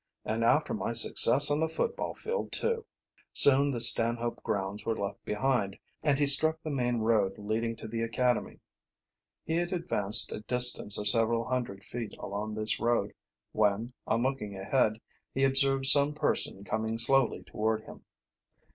"And after my success on the football field, too!" Soon the Stanhope grounds were left behind, and he struck the main road leading to the academy. He had advanced a distance of several hundred feet along this road when, on looking ahead, he observed some person coming slowly toward him.